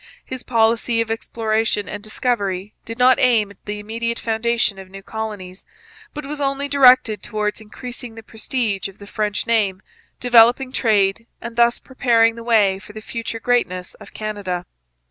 His policy of exploration and discovery did not aim at the immediate foundation of new colonies, but was only directed towards increasing the prestige of the French name, developing trade, and thus preparing the way for the future greatness of Canada.